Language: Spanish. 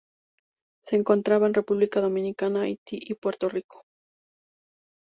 Se encontraba en República Dominicana Haití y Puerto Rico.